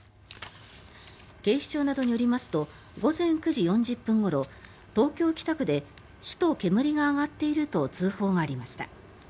警視庁などによりますと午前９時４０分ごろ東京・北区で火と煙が上がっていると通報がありました。